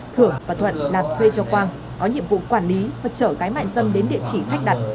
thưởng và thuận làm thuê cho quang có nhiệm vụ quản lý và chở cái mại dâm đến địa chỉ khách đặt